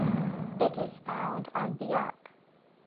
It is found on Biak.